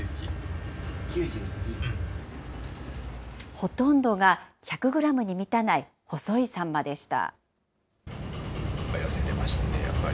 ほとんどが１００グラムに満たない細いサンマでした。